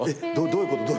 どういうこと？